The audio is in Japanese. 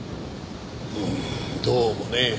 うんどうもね。